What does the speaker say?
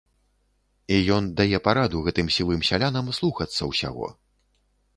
І ён дае параду гэтым сівым сялянам слухацца ўсяго.